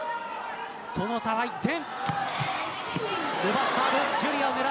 その差は１点。